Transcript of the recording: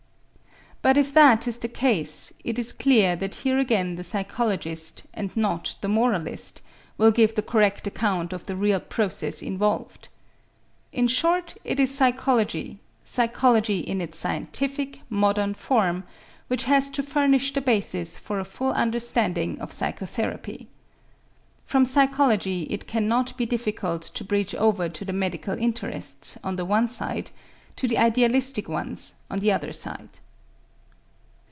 But if that is the case, it is clear that here again the psychologist, and not the moralist, will give the correct account of the real process involved. In short, it is psychology, psychology in its scientific modern form, which has to furnish the basis for a full understanding of psychotherapy. From psychology it cannot be difficult to bridge over to the medical interests, on the one side, to the idealistic ones on the other side.